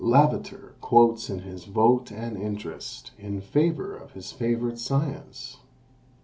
Lavater quotes his "Vote and Interest," in favour of his favourite science.